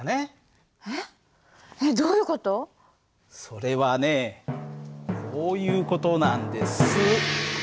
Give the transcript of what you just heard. それはねこういう事なんです。